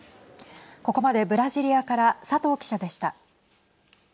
ここまでブラジリアから佐藤記者でした。